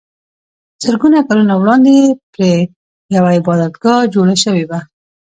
زرګونه کلونه وړاندې پرې یوه عبادتګاه جوړه شوې وه.